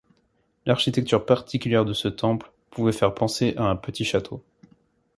L'architecture particulière de ce temple pouvait faire penser à un petit château.